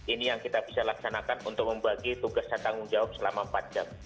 ini yang kita bisa laksanakan untuk membagi tugas dan tanggung jawab selama empat jam